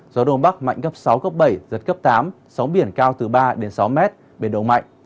gió đông bắc mạnh gấp sáu gấp bảy giật gấp tám sóng biển cao từ ba sáu m biển độ mạnh